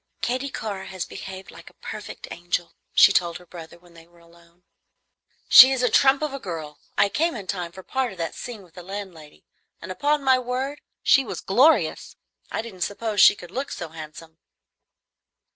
"Katy Carr has behaved like a perfect angel," she told her brother when they were alone. "She is a trump of a girl. I came in time for part of that scene with the landlady, and upon my word she was glorious! I didn't suppose she could look so handsome."